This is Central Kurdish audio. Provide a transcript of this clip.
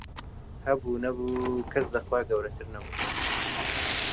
هەبوو نەبوو کەس لە خوای گەورەتر نەبوو